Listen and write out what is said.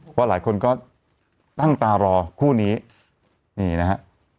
เพราะหลายคนก็ตั้งตารอคู่นี้นี่นะฮะ